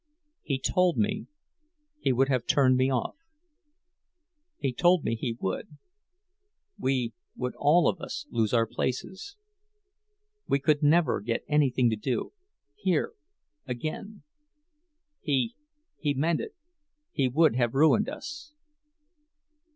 "He told me—he would have me turned off. He told me he would—we would all of us lose our places. We could never get anything to do—here—again. He—he meant it—he would have ruined us."